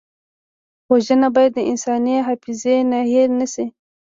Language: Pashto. وژنه باید د انساني حافظې نه هېره نه شي